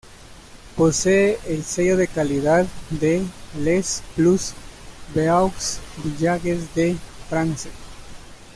Posee el sello de calidad de "Les plus beaux villages de France".